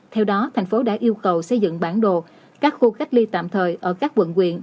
theo đó thành phố đã yêu cầu xây dựng bản đồ các khu cách ly tạm thời ở các quận quyện